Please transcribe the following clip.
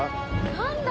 何だ？